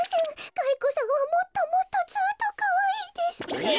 ガリ子さんはもっともっとずっとかわいいです。え！